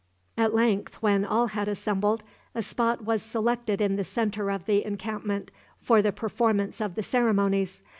At length, when all had assembled, a spot was selected in the centre of the encampment for the performance of the ceremonies.